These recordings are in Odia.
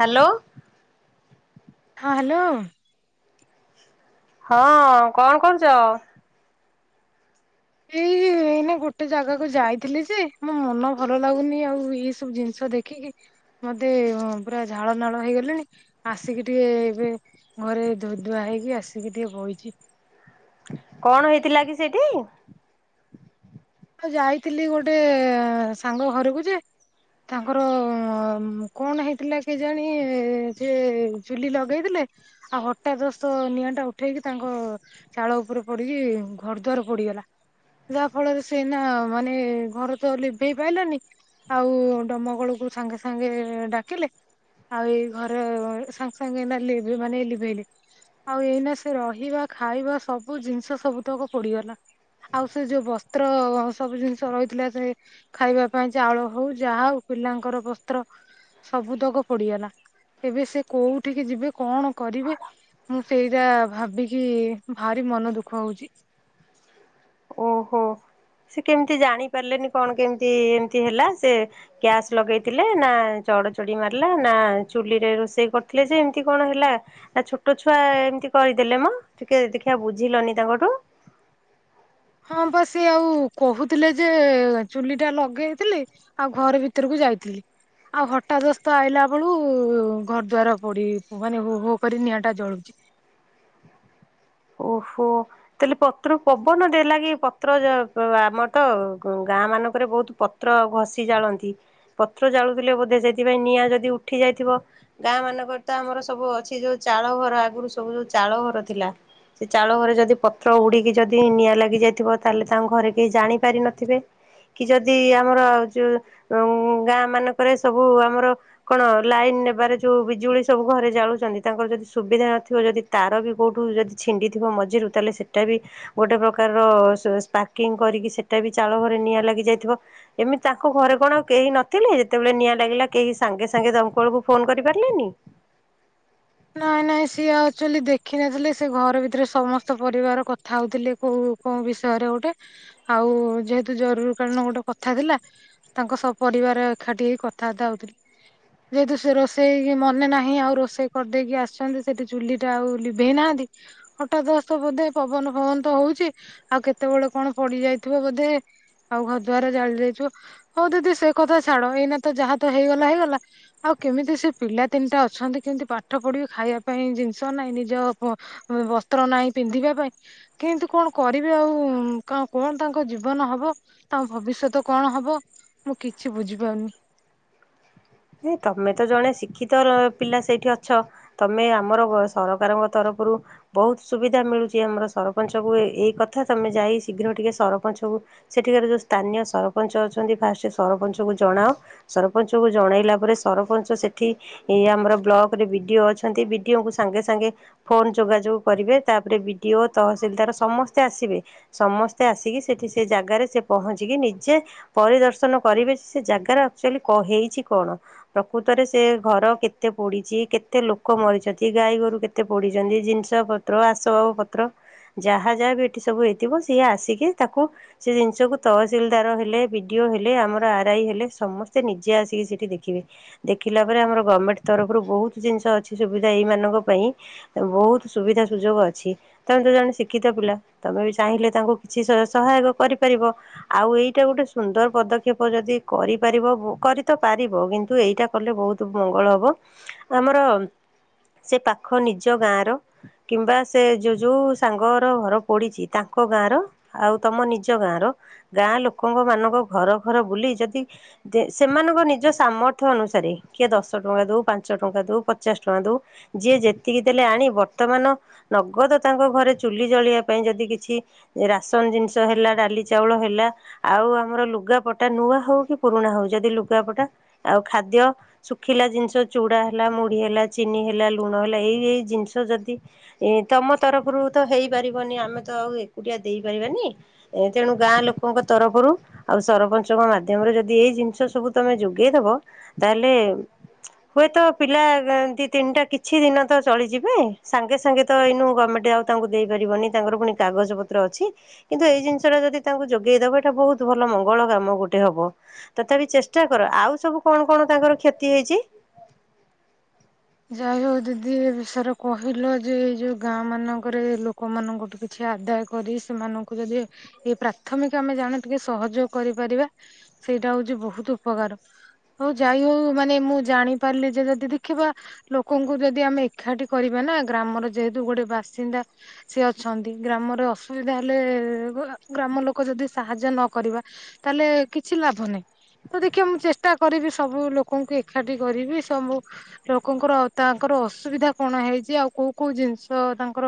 ହାଲୋ। ହଁ ହାଲୋ। ହଁ କଣ କରୁଛ? ଏଇ ଏଇନା ଗୋଟେ ଜାଗାକୁ ଯାଇଥିଲି ଯେ ମୋ ମନ ଭଲ ଲାଗୁନି ଆଉ ଏଇ ସବୁ ଜିନିଷ ଦେଖିକି ମତେ ପୁରା ଝାଳ ନାଳ ହେଇଗଲିଣି ଆସିକି ଟିକେ ଏବେ ଘରେ ଧୋଇଧୁଆ ହେଇକି ଆସିକି ଟିକେ ବଇଛି। କଣ ହେଇଥିଲା କି ସେଇଠି? ଆଉ ଯାଇଥିଲି ଗୋଟେ ସାଙ୍ଗ ଘରକୁ ଯେ ତାଙ୍କର କଣ ହେଇଥିଲା କି ଜାଣି ସେ ଚୁଲି ଲଗେଇଥିଲେ ଆଉ ହଠାତ୍ ଦସ୍ତ ନିଆଁ ଟା ଉଠେଇକି ତାଙ୍କ ଚାଳ ଉପରେ ପଡିକି ଘର ଦ୍ୱାର ପୋଡିଗଲା ଯାହା ଫଳରେ ସେନା ମାନେ ଘରେ ତ ଲିଭେଇ ପାଇଲାନି ଆଉ ଡମକୋଳକୁ ସାଙ୍ଗେ ସାଙ୍ଗେ ଡାକିଲେ ଆଉ ଏଇ ଘରେ ସାଙ୍ଗେ ସାଙ୍ଗେ ଏଇନା ଲିଭ୍ ଲିଭେଇଲେ ଆଉ ଏଇନା ସେ ରହିବା ଖାଇବା ସବୁ ଜିନିଷ ସବୁତକ ପୋଡିଗଲା ଆଉ ସେ ଯୋଉ ବ ତ୍ର ସବୁ ଜିନିଷ ରହିଥିଲା ସେ ଖାଇବା ପାଇଁ ଚାଉଳ ହଉ ଯାହା ହଉ ପିଲାଙ୍କର ବସ୍ତ୍ର ସବୁ ତକ ପୋଡିଗଲା ଏବେ ସେ କୋଉଠିକି ଯିବେ କଣ କରିବେ ମୁଁ ସେଇଟା ଭାବିକି ଭାରି ମନ ଦୁଃଖ ହୋଉଚି। ଓହୋ ସେ କେମିତି ଜାଣି ପାରିଲେନି କଣ କେମିତି ଏମତି ହେଲା ସେ ଗ୍ୟାସ୍ ଲଗେଇଥିଲେ ନା ଚଡ ଚଡି ମାରିଲା ନା ଚୁଲିରେ ରୋଷେଇ କରିଥିଲେ ଯେ ଏମିତି କଣ ହେଲା ନା ଛୋଟ ଛୁଆ ଏମିତି କରିଦେଲେ ମ ଟିକେ ଦେଖିବା ବୁଝିଲନି ତାଙ୍କଠୁ। ହଁ ବା ସେ ଆଉ କହୁଥିଲେ ଯେ ଚୁଲି ଟା ଲଗେଇଥିଲି ଆଉ ଘର ଭିତରକୁ ଯାଇଥିଲି ଆଉ ହଠାଦସ୍ତ ଆଇଲା ବେଳୁ ଘର ଦ୍ୱାର ପୋଡି ମାନେ ହୋ ହୋ କରି ନିଆଁ ଟା ଜଳୁଛି। ଓହୋ ତାହଲେ ପତ୍ର ପବନ ଦେଲା କି ପତ୍ର ବ ଆମର ତ ଗାଁ ମାନଙ୍କରେ ବହୁତ ପତ୍ର ଘଷି ଜାଳନ୍ତି ପତ୍ର ଜାଳୁଥିଲେ ବୋଧେ ସେଇଥିପାଇଁ ନିଆଁ ଯଦି ଉଠି ଯାଇଥିବ ଗାଁ ମାନଙ୍କରେ ତ ଆମର ସବୁ ଅଛି ଯୋଉ ଚାଳ ଘର ଆଗରୁ ସବୁ ଯୋଉ ଚାଳ ଘର ଥିଲା। ସେ ଚାଳ ଘରେ ଯଦି ପତ୍ର ଉଡିକି ଯଦି ନିଆଁ ଲାଗି ଯାଇଥିବ ତାହେଲେ ତାଙ୍କ ଘରେ କେହି ଜାଣି ପାରି ନଥିବେ କି ଯଦି ଆମର ଯୋଉ ଉଁ ଗାଁ ମାନଙ୍କରେ ସବୁ ଆମର କଣ ଲାଇନ ନେବାରେ ଯୋଉ ବିଜୁଳି ସବୁ ଘରେ ଜାଳୁଛନ୍ତି ତାଙ୍କର ଯଦି ସୁବିଧା ନଥିବ ଯଦି ତାର ବି କୋଉଠୁ ଯଦି। ଛିଣ୍ଡିଥିବ ମଝିରୁ ତାହେଲେ ସେଟା ବି ଗୋଟେ ପ୍ରକାରର ସ୍ପାର୍କିଂ କରିକି ସେଟା ବି ଚାଳ ଘରେ ନିଆଁ ଲାଗି ଯାଇଥିବ ଏମିତି ତାଙ୍କ ଘରେ କଣ କେହି ନଥିଲେ ଯେତେବେଳେ ନିଆଁ ଲାଗିଲା କେହି ସାଙ୍ଗେ ସାଙ୍ଗେ ଦମକଳକୁ ଫୋନ କରିପାରିଲେନି। ନାଇଁ ନାଇଁ ସିଏ ଆକଚୁଆଲି ଦେଖିନଥିଲେ ସେ ଘର ଭିତରେ ସମସ୍ତ ପରିବାର କଥା ହଉଥିଲେ କୋଉ କୋଉ ବିଷୟରେ ଗୋଟେ ଆଉ ଯେହେତୁ ଜରୁରୀ କାଳୀନ ଗୋଟେ କଥା ଥିଲା ତାଙ୍କ ସ ପରିବାର ଏକାଠି ହେଇ କଥାବାର୍ତ୍ତା ହଉଥିଲେ ଯେହେତୁ ସେ ରୋଷେଇ ମନେ ନାହିଁ ଆଉ ରୋଷେଇ କରିଦେଇକି ଆସିଛନ୍ତି ସେଠି ଚୁଲି ଟା ଆଉ ଲିଭେଇ ନାହାନ୍ତି ହଠାଦସ୍ତ୍ ବୋଧେ ପବନ ଫବନ ତ ହଉଛି ଆଉ କେତେବେଳେ କଣ ପଡି ଯାଇଥିବ ବୋଧେ ଆଉ ଘ ଦୁଆର ଜାଳି ଯାଇଥିବ ହଉ ଦିଦି ସେ କଥା ଛାଡ ଏଇନା ତ ଯାହା ତ ହେଇଗଲା ହେଇଗଲା ଆଉ କେମିତି ସେ ପିଲା ତିନିଟା ଅଛନ୍ତି କେମିତି ପା ପାଠ ପଢିବି ଖାଇବା ପାଇଁ ଜିନିଷ ନାହିଁ ନିଜ ବ-ବସ୍ତ୍ର ନାହିଁ ପିନ୍ଧିବା ପାଇଁ କିନ୍ତୁ କଣ କରିବି ଆଉ କ-କଣ ତାଙ୍କ ଜୀବନ ହବ ତାଙ୍କ ଭବିଷ୍ୟତ କଣ ହବ ମୁଁ କିଛି ବୁଝିପାରୁନି। ତମେ ତ ଜଣେ ଶିକ୍ଷିତ ପିଲା ସେଇଠି ଅଛ ତମେ ଆମର ସରକାରଙ୍କ ତରଫରୁ ବହୁତ ସୁବିଧା ମିଳୁଛି ଆମର ସରପଞ୍ଚ ଙ୍କୁ ଏଇ କଥା ତମେ ଯାଇ ଶୀଘ୍ର ଟିକେ ସରପଞ୍ଚ କୁ ସେଠିକାର ଯୋଉ ସ୍ଥାନୀୟ ସରପଞ୍ଚ ଅଛନ୍ତି ଫାଷ୍ଟ ସରପଞ୍ଚଙ୍କୁ ଜଣାଅ ସରପଞ୍ଚଙ୍କୁ ଜଣେଇଲା ପରେ ସରପଞ୍ଚ ସେଠି ଇ ଆମର ବ୍ଲକ ରେ ବିଡିଓ ଅଛନ୍ତି ବିଡିଓଙ୍କୁ ସାଙ୍ଗେ ସାଙ୍ଗେ ଫୋନ ଯୋଗାଯୋଗ କରିବେ ତାପରେ ବିଡିଓ ତହସିଲଦାର ସମସ୍ତେ ଆସିବେ ସମସ୍ତେ ଆସିକି ସେଠି ସେ ଜାଗାରେ ସେ ପହଞ୍ଚିକି ନିଜେ ପରିଦର୍ଶନ କରିବେ ସେ ଜାଗାରେ ଆକଚୁଲି ଙ୍କ ହେଇଛି। କଣ ପ୍ରକୃତରେ ସେ ଘର କେତେ ପୋଡିଛି କେତେ ଲୋକ ମରିଛନ୍ତି ଗାଈ ଗୋରୁ କେତେ ପୋଡିଛନ୍ତି ଜିନିଷ ପତ୍ର ଆସବାବ ପତ୍ର ଯାହା ଯାହା ବି ଏଠି ସବୁ ହେଇଥିବ ସିଏ ଆସିକି ତାକୁ ସେ ଜିନିଷକୁ ତହସିଲଦାର ହେଲେ ବିଡିଓ ହେଲେ ଆମର ଆର ଆଇ ହେଲେ ସମସ୍ତେ ନିଜେ ଆସିକି ସେ ଦେଖିବେ ଦେଖିଲା ପରେ ଆମର ଗଭର୍ଣମେଣ୍ଟ ତରଫରୁ ବହୁତ ଜିନିଷ ଅଛି ସୁବିଧା ଏଇ ମାନଙ୍କ ପାଇଁ ବହୁତ ସୁବିଧା ସୁଯୋଗ ଅଛି ତମେ ତ ଜଣେ ଶିକ୍ଷିତ ପିଲା ତମେ ବି ଚାହିଁଲେ ତାଙ୍କୁ କିଛି ସ-ସହାୟକ କରିପାରିବ ଆଉ ଏଇଟା ଗୋଟେ ସୁନ୍ଦର ପଦକ୍ଷେପ ଯଦି କରିପାରିବ କରି ଦ ପାରିବ କିନ୍ତୁ ଏଇଟା କଲେ ବହୁତ ମଙ୍ଗଳ ହବ ଆମର ସେ ପାଖ ନିଜ ଗାଁର କିମ୍ବା ସେ ଯଉ ଯୋଉ ସାଙ୍ଗର ଘର ପୋଡିଛି ତାଙ୍କ ଗାଁର ଆଉ ତମ ନିଜ ଗାଁର ଗାଁ ଲୋକଙ୍କ ମାନଙ୍କ ଘର ଘର ବୁଲି ଯଦି ଦେ ସେମାନଙ୍କ ନି ଯେଉଁ ସାମର୍ଥ୍ୟ ଅନୁସାରେ କିଏ ଦଶ ଟଙ୍କା ଦଉ ପାଞ୍ଚ ଟଙ୍କା ଦଉ ପଚାଶ ଟଙ୍କା ଦଉ ଯିଏ ଯେତିକି ଦେଲେ ଆଣି ବର୍ତ୍ତମାନ ନଗଦ ତାଙ୍କ ଘରେ ଚୁଲି ଜଳିବା ପାଇଁ ଯଦି କିଛି ରାସନ ଜିନିଷ ହେଲା ଡାଲି ଚାଉଳ ହେଲା ଆଉ ଆମର ଲୁଗାପଟା ନୂଆ ହଉ କି ପୁରୁଣା ହେଉ ଯଦି ଲୁଗାପଟା। ଆଉ ଖାଦ୍ୟ ଶୁଖିଲା ଜିନିଷ ଚୁଡା ହେଲା ମୁଢି ହେଲା ଚିନି ହେଲା ଲୁଣ ହେଲା ଏଇ ଏଇ ଜିନିଷ ଯଦି ଏ ତମ ତରଫରୁ ତ ହେଇପାରିବନି ଆମେ ତ ଆଉ ଏକୁଟିଆ ଦେଇପାରିବାନି ଏ ତେଣୁ ଗାଁ ଲୋକଙ୍କ ତରଫରୁ ଆଉ ସରପଞ୍ଚଙ୍କ ମାଧ୍ୟମରେ ଯଦି ଏଇ ଜିନିଷ ସବୁ ତମେ ଯୋ ଯୋଗେଇଦବ ତାହେଲେ ହୁଏତ ପିଲା ଏ ଦି ତିନିଟା କିଛି ଦିନ ତ ଚଳିଯିବେ ସାଙ୍ଗେ ସାଙ୍ଗେ ତ ଏଇନୁ ଗମେଣ୍ଟ ଆଉ ତାଙ୍କୁ ଦେଇପାରିବନି ତାଙ୍କର ପୁଣି କାଗଜ ପତ୍ର ଅଛି କିନ୍ତୁ ଏଇ ଜିନିଷ ଟା ଯଦି ତାଙ୍କୁ ଯୋଗେଇଦବ ଏଇଟା ବହୁତ ଭଲ ମଙ୍ଗଳ କାମ ଗୋଟେ ହବ ତଥାପି ଚେଷ୍ଟା କର। ଆଉ ସବୁ କଣ କଣ ତାଙ୍କର କ୍ଷତି ହେଇଛି। ଯାଇ ହଉ ଯଦି ଏ ବିଷୟରେ କହିଲ ଯେ ଏଇ ଯୋଉ ଗାଁ ମାନଙ୍କରେ ଲୋକମାନଙ୍କଠୁ କିଛି ଆଦାୟ କରି ସେମାନଙ୍କୁ ଯଦି ଏଇ ପ୍ରାଥମିକ ଆମେ ଜାଣ ଟିକେ ସହଯୋଗ କରିପାରିବା ସେଇଟା ହଉଛି ବହୁତ ଉପକାର ହଉ ଯାଇ ହଉ ମାନେ ମୁଁ ଜାଣିପାରିଲି ଯେ ଯଦି ଦେଖିବା। ଲୋକଙ୍କୁ ଯଦି ଆମେ ଏକାଠି କରିବା ନା ଗ୍ରାମର ଯେହେତୁ ଗୋଟେ ବାସିନ୍ଦା ସେ ଅଛନ୍ତି ଗ୍ରାମରେ ଅସୁବିଧା ହେଲେ ଗ୍ରାମ ଲୋକ ଯଦି ସାହାଯ୍ୟ ନ କରିବା ତାହେଲେ କିଛି ଲାଭ ନାହିଁ ତ ଦେଖିବା ମୁଁ ଚେଷ୍ଟା କରିବି ସବୁ ଲୋକଙ୍କୁ ଏକାଠି କରିବି ସବୁ। ଲୋକଙ୍କର ତାଙ୍କର ଅସୁବିଧା କଣ ହେଇଛି ଆଉ କୋଉ କୋଉ ଜିନିଷ ତାଙ୍କର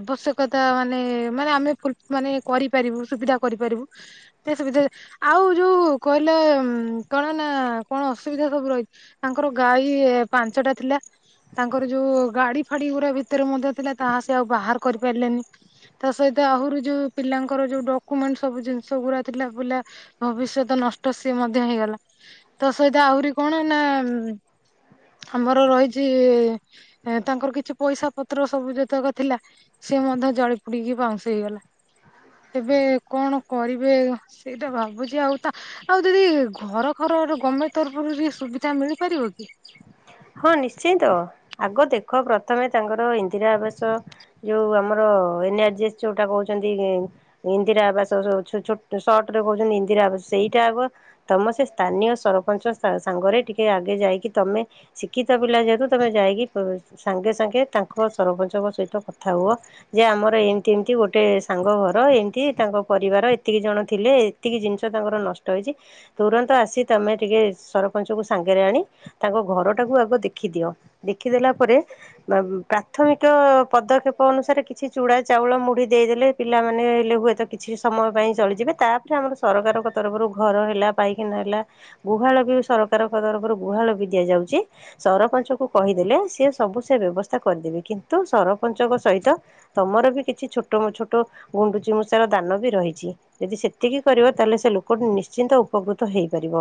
ଆବଶ୍ୟକତା ମାନେ ମାନେ ଆମେ ଫୁଲ ମାନେ କରିପାରିବୁ ସୁବିଧା କରିପାରିବୁ ସେ ସୁବିଧା ଆଉ ଯୋଉ କହିଲ କଣ ନା କଣ ଅସୁବିଧା ସବୁ ରହିଛି ତାଙ୍କର ଗାଈ ପାଞ୍ଚଟା ଥିଲା ତାଙ୍କର ଯୋଉ ଗାଡି ଫାଡି ଗୁଡା ଭିତରେ ମଧ୍ୟ ଥିଲା ତାହା ସ ଆଉ ବାହାର କରି ପାରିଲେନି ତା ସହିତ ଆହୁରି ଯୋଉ ପିଲାଙ୍କର ଯୋଉ ଡକୁମେଣ୍ଟ ସବୁ ଜିନିଷ ଗୁଡା ଥିଲା ପିଲା ଭବିଷ୍ୟତ ନଷ୍ଟ ସି ମଧ୍ୟ ହେଇଗଲା ତା ସହିତ ଆହୁରି କଣ ନା ଆମର ରହିଛି ତାଙ୍କର କିଛି ପଇସା ପତ୍ର ସବୁ ଯେତେକ ଥିଲା ସେ ମଧ୍ୟ ଜଳି ପୋଡିକି ପାଉଁସ ହେଇଗଲା ତେବେ କଣ କରିବେ ସେଇଟା ଭାବୁଛି ଆଉ ତା ଆଉ ଦିଦି ଘର ଖର ଗଭର୍ଣମେଣ୍ଟ ତରଫରୁ କିଛି ସୁବିଧା ମିଳିପାରିବ କି? ହଁ ନିଶ୍ଚିନ୍ତ ତ ଆଗ ଦେଖ ପ୍ରଥମେ ତାଙ୍କର ଇନ୍ଦିରା ଆବାସ ଯୋଉ ଆମର ଏନ ଆର ଜି ଏସ୍ ଯୋଉଟା କହୁଛନ୍ତି ଇନ୍ଦିରା ଆବାସ ଛୋ ଛୋ ସଟରେ କହୁଛନ୍ତି ଇନ୍ଦିରା ଆବାସ ସେଇଟା ଆଗ ତମ ସେ ସ୍ଥାନୀୟ ସରପଞ୍ଚ ସା ସାଙ୍ଗରେ ଟିକେ ଆଗେ ଯାଇକି ତମେ ଶିକ୍ଷିତ ପିଲା ଯେହେତୁ ତୁମେ ଯାଇକି ସାଙ୍ଗେ ସାଙ୍ଗେ ତାଙ୍କ ସରପଞ୍ଚଙ୍କ ସହିତ କଥା ହୁଅ ଯେ ଆମର ଏମିତି ଏମିତି ଗୋଟେ ସାଙ୍ଗ ଘର ଏମିତି ତାଙ୍କ ପରିବାର ଏତିକି ଜଣ ଥିଲେ ଏତିକି ଜିନିଷ ତାଙ୍କର ନଷ୍ଟ ହେଇଛି ତୁରନ୍ତ ଆସି ତୁମେ ଟିକେ ସରପଞ୍ଚଙ୍କୁ ସାଙ୍ଗରେ ଆଣି ତାଙ୍କ ଘର ଟାକୁ ଆଗ ଦେଖି ଦିଅ ଦେଖିଦେଲା ପରେ ପ୍ରାଥମିକ ପଦକ୍ଷେପ ଅନୁସାରେ କିଛି ଚୂଡ଼ା ଚାଉଳ ମୁଢି ଦେଇଦେଲେ ପିଲାମାନେ ହେଲେ ହୁଏତ କିଛି ସମୟ ପାଇଁ ଚଳିଯିବେ ତାପରେ ଆମର ସରକାରଙ୍କ ତରଫରୁ ଘର ହେଲା ପାଇଖାନା ହେଲା ଗୁହାଳ ବି ସରକାରଙ୍କ ତରଫରୁ ଗୁହାଳ ବି ଦିଆଯାଉଛି। ସରପଞ୍ଚଙ୍କୁ କହିଦେଲେ ସିଏ ସବୁ ସେ ବ୍ୟବସ୍ଥା କରିଦେବେ କିନ୍ତୁ, ସରପଞ୍ଚଙ୍କ ସହିତ ତମର ବି କିଛି ଛୋଟ ମ ଛୋଟ ଗୁଣ୍ଡୁଚି ମୂଷାର ଦାନ ବି ରହିଛି। ଯଦି ସେତିକି କରିବ ତାହେଲେ ସେ ଲୋକ ନିଶ୍ଚିନ୍ତ ଉପକୃତ ହେଇପାରିବ।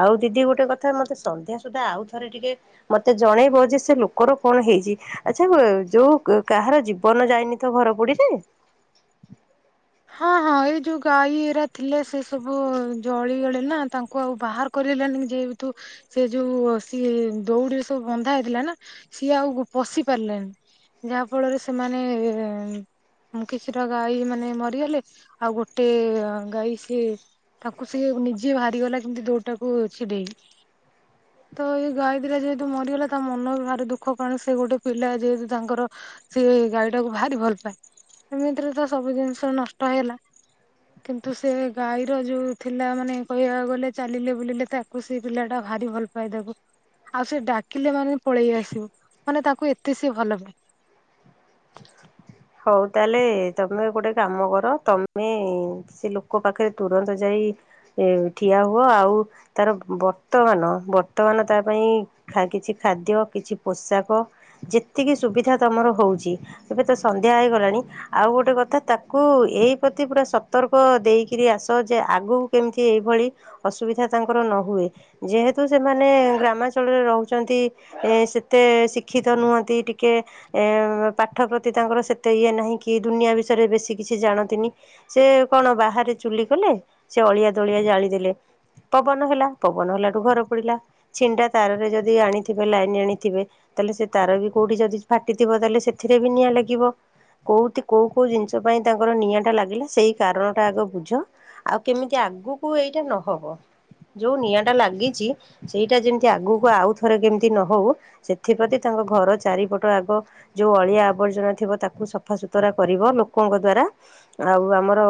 ଆଉ ଦିଦି ଗୋଟେ କଥା ମତେ ସନ୍ଧ୍ୟା ସୁଦ୍ଧା ଆଉ ଥ ଥରେ ଟିକେ ମତେ ଜଣେଇବ ଯେ ସେ ଲୋକର କଣ ହେଇଛି। ଆଚ୍ଛା ଯୋଉ କାହାର ଜୀବନ ଯାଇନି ତ ଘରପୋଡିରେ। ହଁ ହଁ ଏଇ ଯୋଉ ଗାଈ ଏରା ଥିଲେ ସେ ସବୁ ଜଳିଗଲେ ନା ତାଙ୍କୁ ଆଉ ବାହାର କରିଲେଣିି ଯେହେତୁ ସେ ଯୋଉ ସିଏ ଦଉଡିରେ ସବୁ ବନ୍ଧା ହେଇଥିଲା ନା। ସିଏ ଆଉ ପଶି ପାରିଲାନି ଯାହା ଫଳରେ ସେମାନେ କିଛିଟା ଗାଈ ମାନେ ମ ଗଲେ ଆଉ ଗୋଟେ, ଗାଈ ସିଏ ତାଙ୍କୁ ସି ନିଜେ ବାହାରି ଗଲା କେମତି ଦୋଉଡିଟାକୁ ଛିଡେଇ ତ ଏଇ ଗାଈ ଦିଟା ଯେହେତୁ ମରିଗଲେ, ତା ମନ ବି ଭାରି ଦୁଃଖ କଣ ସେ ଗୋଟେ ପିଲା ଯେହେତୁ ତାଙ୍କର ସେ ଗାଈ ଟାକୁ ଭାରି ଭଲ ପାଏ। ଏମିତିରେ ତ ସବୁ ଜିନିଷ ନ କଷ୍ଟ ହେଲା କିନ୍ତୁ ସେ ଗାଈର ଯୋଉ ଥିଲା ମାନେ କହିବାକୁ ଗଲେ ଚାଲିଲେ ବୁଲିଲେ ତାକୁ ସେ ପିଲା ଟା ଭାରି ଭଲ ପାଏ ତାକୁ ଆଉ ସେ ଡାକିଲେ ମାନେ ପଳେଇ ଆସିବୁ ମାନେ ତାକୁ ଏତେ ସିଏ ଭଲ ପାଏ। ହଉ ତାହେଲେ ତମେ ଗୋଟେ କାମ କର ତମେ ସେ ଲୋକ ପାଖରେ ତୁରନ୍ତ ଯାଇ ଠିଆ ହୁଅ ଆଉ ତାର ବର୍ତ୍ତମାନ ବର୍ତ୍ତମାନ ତା ପାଇଁ କିଛି ଖାଦ୍ୟ କିଛି ପୋଷାକ ଯେତିକି ସୁବିଧା ତମର ହଉଛି ଏବେ ତ। ସନ୍ଧ୍ୟା ହେଇଗଲାଣି ଆଉ ଗୋଟେ କଥା ତାକୁ ଏଇ ପ୍ର୍ରତି ପୁରା ସତର୍କ ଦେଇକରି ଆସ ଯେ ଆଗକୁ କେମିତି ଏଇଭଳି ଅସୁବିଧା ତାଙ୍କର ନ ହୁଏ ଯେହେତୁ ସେମାନେ ଗ୍ରାମାଞ୍ଚଳରେ ରହୁଛନ୍ତି। ସେତେ ଶିକ୍ଷିତ ନୁହଁନ୍ତି ଟିକେ ପାଠ ପ ଛି ତାଙ୍କର ସେତେ ଇଏ ନାହିଁ କି ଦୁନିଆ ବିଷୟରେ ବେଶୀ କିଛି ଜାଣନ୍ତନି ସେ କଣ ବାହାରେ ଚୁଲି କଲେ ସେ ଅଳିଆ ଦଳିଆ ଜାଳି ଦେଲେ ପବନ ହେଲା ପବନ ହେଲାଠୁ ଘର ପୋଡିଲା ଛିଣ୍ଡା ତାରରେ ଯଦି ଆଣିଥିବେ ଲାଇନ ଆଣିଥିବେ ତାହେଲେ ସେ ତାର ବି କୋଉଠି ଯଦି ଫାଟିଥିବ ତାହେଲେ ସେଥିରେ। ବି ନିଆଁ ଲାଗିବ କୋଉ କୋଉ କୋଉ ଜିନିଷ ପାଇଁ ତାଙ୍କର ନିଆଁଟା ଲାଗିଲା ସେଇ କାରଣଟା ଆଗ ବୁଝ ଆଉ କେମିତି ଆଗକୁ ଏଇଟା ନ ହବ ଯୋଉ ନିଆଁ ଟା ଲାଗିଛି ସେଇଟା ଯେମିତି ଆଗକୁ ଆଉ ଥରେ କେମିତି ନହଉ ସେଥିପ୍ରତି ତାଙ୍କ ଘର ଚାରିପଟ ଆଗ ଯୋଉ ଅଳିଆ ଆ ଆବର୍ଜନା ଥିବ ତାକୁ ସଫାସୁତୁରା କରିବ ଲୋକଙ୍କ ଦ୍ଵାରା ଆଉ ଆମର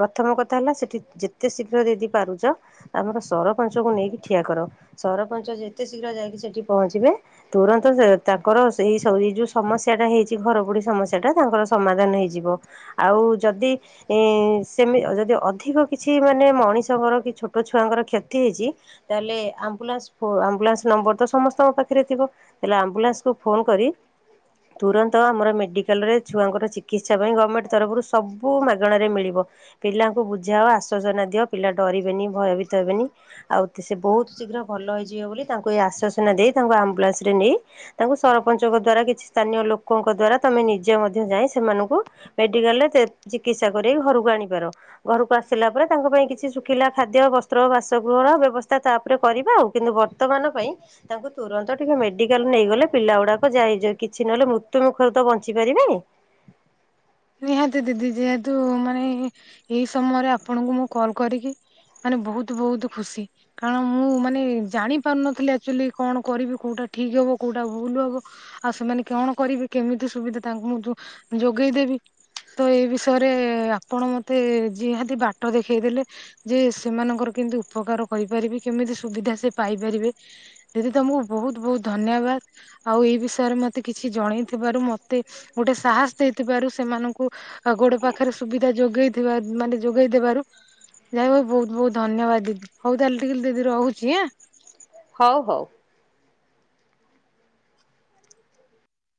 ପ୍ରଥମ କଥା ହେଲା ସେଠି ଯେତେ ଶୀଘ୍ର ଦିଦି ପାରୁଛ ଆମର ସରପଞ୍ଚଙ୍କୁ ନେଇକି ଠିଆ କର ସରପଞ୍ଚ ଯେତେ ଶୀଘ୍ର ଯାଇକି ସେଠି ପହଞ୍ଚିବେ ତୁରନ୍ତ ତାଙ୍କର ସେଇ ଏ ଯୋଉ ସମସ୍ୟା ଟା ହେଇଛି। ଘର ପୋଡି ସମସ୍ୟା ଟା ତାଙ୍କର ସମାଧାନ ହେଇଯିବ ଆଉ ଯଦି ଇ ସେମି ଆଉ ଯଦି ଅଧିକ କିଛି ମାନେ ମଣିଷଙ୍କର କି ଛୋଟ ଛୁଆଙ୍କର କ୍ଷତି ହେଇଚି ତାହେଲେ ଆମ୍ବୁଲାନ୍ସ ଫୋ ଆମ୍ବୁଲାନ୍ସ ନମ୍ବର ତ ସମସ୍ତଙ୍କ ପାଖରେ ଥିବ ତାହେଲେ ଆମ୍ବୁଲାନ୍ସକୁ ଫୋନ କରି ତୁରନ୍ତ। ତ ଆମର ମେଡିକାଲ ରେ ଛୁଆଙ୍କର ଚିକିତ୍ସା ପାଇଁ ଗମେଣ୍ଟ ତରଫରୁ ସବୁ ମାଗଣାରେ ମିଳିବ ପିଲାଙ୍କୁ ବୁଝାଅ ଆଶ୍ୱସନା ଦିଅ ପିଲା ଡରିବେନି ଭୟଭୀତ ହେବେନି ଆଉ ସେ ବହୁତ ଶୀଘ୍ର ଭଲ ହେଇଯିବ ବୋଲି ତାଙ୍କୁ ଏ ଆଶ୍ଵସନା ଦେଇ ତାଙ୍କୁ ଆମ୍ବୁଲାନ୍ସ ରେ ନେଇ ତାଙ୍କୁ ସରପଞ୍ଚଙ୍କ ଦ୍ଵାରା କିଛି ସ୍ଥାନୀୟ ଲୋ ଲୋକଙ୍କ ଦ୍ଵାରା ତମେ ନିଜେ ମଧ୍ୟ ଯାଇ ସେମାନଙ୍କୁ ମେଡିକାଲରେ ଚିକିତ୍ସା କରକି ଘରକୁ ଆଣିପାର ଘରକୁ ଆସିଲା ପରେ ତାଙ୍କ ପାଇଁ କିଛି ଶୁଖିଲା ଖାଦ୍ୟ ବସ୍ତ୍ର ବାସଗୃହ ର ବ୍ୟବସ୍ଥା ତାପରେ କରିବା ଆଉ କିନ୍ତୁ ବର୍ତ୍ତମାନ ପାଇଁ ତାଙ୍କୁ ତୁରନ୍ତ ଟିକେ ମେଡିକାଲ ନେଇଗଲେ ପିଲା ଗୁଡାକ ଯାଇ କିଛି ନହେଲେ ମୃ ମୃତ୍ୟୁ ମୁଖରୁ ତ ବଞ୍ଚି ପାରିବେ। ନିହାତି ଦିଦି ଯେହେତୁ ମାନେ ଏଇ ସମୟରେ ଆପଣଙ୍କୁ। ମୁଁ କଲ କରିକି ମାନେ ବହୁତ ବହୁତ ଖୁସି। କାରଣ ମୁଁ ମାନେ ଜାଣି ପାରୁନଥିଲି ଆକଚୁଆଲି କଣ କରିବି କୋଉଟା ଠିକ ହବ କୋଉଟା ଭୁଲ ହବ। ଆଉ ସେମାନେ କଣ କରିବେ କେମିତି ସୁବିଧା ତାଙ୍କୁ ମୁଁ ଯୋଗେଇଦେବି। ତ ଏଇ ବିଷୟରେ ଆପଣ ମତେ ଯେହାତି ବାଟ ଦେଖେଇ ଦେଲେ ଯେ ସେମାନଙ୍କର କେମିତି ଉପକାର କରିପାରିବେ କେମିତି ସୁବିଧା ସେ ପାଇପାରିବେ ଦିଦି ତମକୁ ବହୁତ ବହୁତ ଧନ୍ୟବାଦ। ଆଉ ଏଇ ବିଷୟରେ ମତେ କିଛି ଜଣେଇଥିବାରୁ ମତେ ଗୋଟେ ସାହସ ଦେଇଥିବାରୁ। ସେମାନଙ୍କୁ ଗୋଡ ପାଖରେ ସୁବିଧା ଯୋଗେଇ ମାନେ ଯୋଗେଇଦେବାରୁ ଯାହା ବହୁତ ବହୁତ ଧନ୍ୟବାଦ ଦିଦି ହଉ ତାହେଲେ ଟିକେ ଦିଦି ରହୁଛି ଆଁ। ହଉ ହଉ।